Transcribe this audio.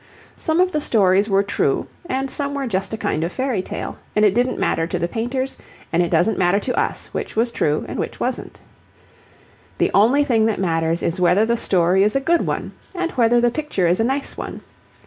Some of the stories were true and some were just a kind of fairy tale, and it didn't matter to the painters, and it doesn't matter to us, which was true and which wasn't. The only thing that matters is whether the story is a good one and whether the picture is a nice one.